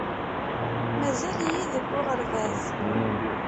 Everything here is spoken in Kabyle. Mazal-iyi deg uɣerbaz.